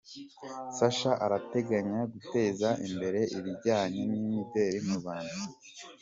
Sacha arateganya guteza imbere ibijyanye n’imideri mu Rwanda